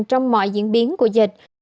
trong mọi diễn biến của dịch